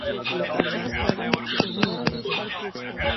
د کتاب لوستل د فکر پراختيا او د پوهې د زياتېدو سبب ګرځي `